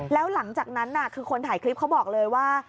แล้วหลังจากนั้นคือคนถ่ายคลิปเขาบอกเลยว่า